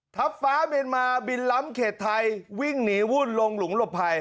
ทรัพย์ฟ้ามีนมาบินร้ำเขตไทยวิ่งหนีวื่นลงหลวงหลบภัย